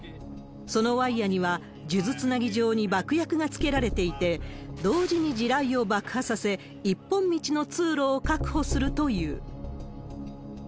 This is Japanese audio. そのワイヤには、数珠つなぎ状に爆薬がつけられていて、同時に地雷を爆破させ、一本道の通路を確保するという。